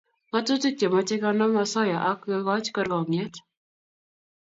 ngatutik chemochei konam osoya ak kekoch kerkongiet